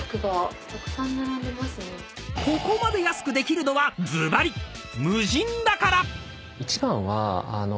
［ここまで安くできるのはずばり無人だから！］